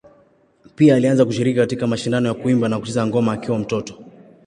Pia alianza kushiriki katika mashindano ya kuimba na kucheza ngoma akiwa mtoto.